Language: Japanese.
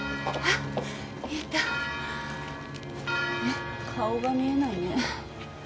あれ顔が見えないね。